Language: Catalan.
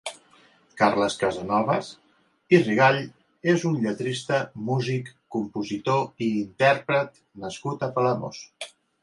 Carles Casanovas i Rigall és un lletrista, músic, compositor i intèrpret, nascut a Palamós.